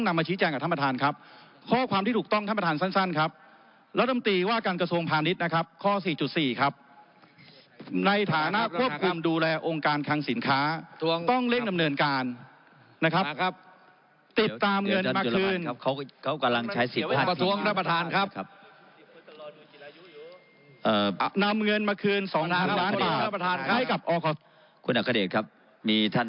อมดูแลโครงการทางสินค้าเดี๋ยวกันตามเงินมาคืน